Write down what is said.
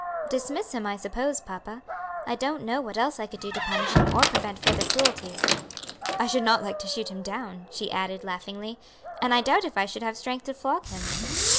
"Dismiss him, I suppose, papa; I don't know what else I could do to punish him or prevent further cruelties. I should not like to shoot him down," she added, laughingly; "and I doubt if I should have strength to flog him."